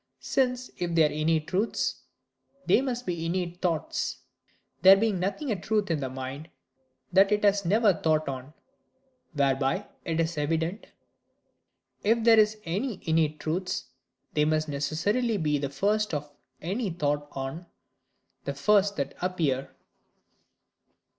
Since, if they are innate truths, they must be innate thoughts: there being nothing a truth in the mind that it has never thought on. Whereby it is evident, if there be any innate truths, they must necessarily be the first of any thought on; the first that appear.